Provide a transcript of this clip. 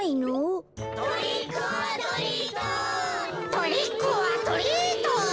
トリックオアトリート！